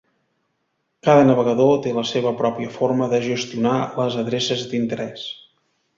Cada navegador té la seua pròpia forma de gestionar les d'adreces d'interès.